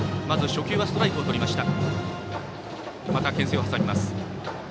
初球はストライクをとりました。